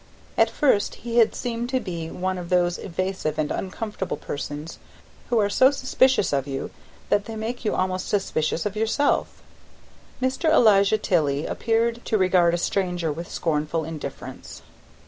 At first he had seemed to be one of those evasive and uncomfortable persons who are so suspicious of you that they make you almost suspicious of yourself. Mr. Elijah Tilley appeared to regard a stranger with scornful indifference.